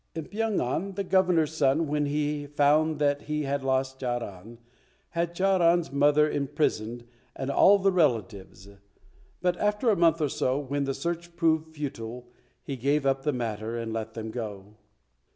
In Pyong an the Governor's son, when he found that he had lost Charan, had Charan's mother imprisoned and all the relatives, but after a month or so, when the search proved futile, he gave up the matter and let them go.